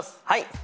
はい。